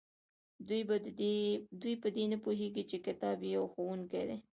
دوی په دې نه پوهیږي چې کتاب یو ښوونکی دی.